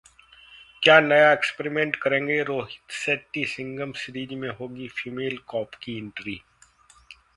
क्या नया एक्सपेरिमेंट करेंगे रोहित शेट्टी, सिंघम सीरीज में होगी फीमेल कॉप की एंट्री?